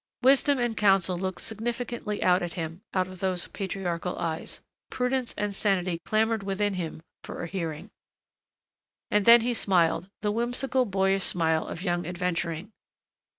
Wisdom and counsel looked significantly out at him out of those patriarchal eyes. Prudence and sanity clamored within him for a hearing. And then he smiled, the whimsical, boyish smile of young adventuring.